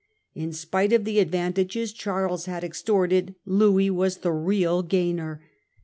In spite of the advantages Charles had „„, extorted, Louis was the real gainer.